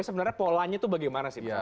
sebenarnya polanya itu bagaimana sih mas